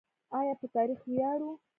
آیا په تاریخ ویاړو؟